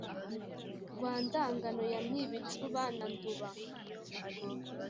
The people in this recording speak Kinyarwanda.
rwa ndagano ya mpibicuba na nduba